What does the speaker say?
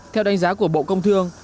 theo đánh giá của bộ công thương